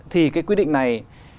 thì cái quy định này